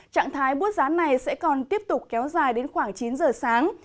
trạng thái bút giá này sẽ còn tiếp tục kéo dài đến khoảng chín giờ sáng